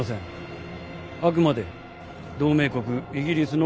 あくまで同盟国イギリスの。